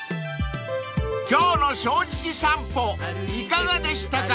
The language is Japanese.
［今日の『正直さんぽ』いかがでしたか？］